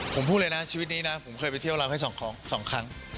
ผมพูดเลยนะชีวิตนี้นะผมเคยไปเที่ยวเราให้๒ครั้ง